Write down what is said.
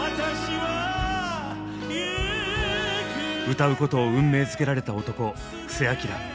歌うことを運命づけられた男布施明。